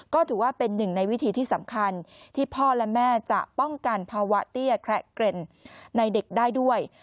ก็ถือว่าเป็นหนึ่งในวิธีที่สำคัญที่พ่อและแม่จะป้องกันภาวะเตี้ยแคระเกร็นในเด็กได้ด้วย